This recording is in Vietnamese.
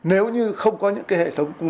nếu như không có những hệ thống